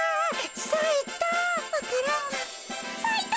さいた。